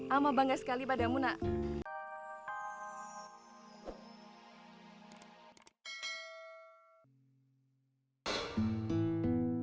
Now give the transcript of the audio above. ama bangga sekali padamu nak